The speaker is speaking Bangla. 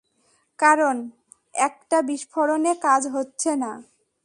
কারণ, একটা বিস্ফোরনে কাজ হচ্ছে না!